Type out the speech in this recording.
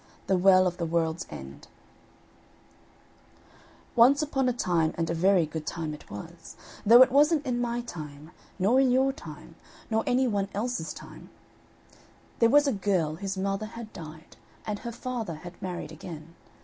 THE WELL OF THE WORLD'S END Once upon a time, and a very good time it was, though it wasn't in my time, nor in your time, nor any one else's time, there was a girl whose mother had died, and her father had married again.